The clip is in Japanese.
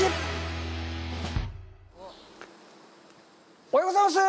おはようございます。